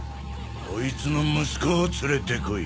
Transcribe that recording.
コイツの息子を連れてこい。